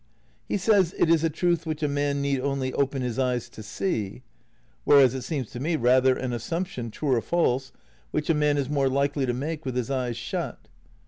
He says it is "a truth which a man need only open his eyes to see," whereas it seems to me rather an assumption, true or false, which a man is more likely to make with his eyes shut.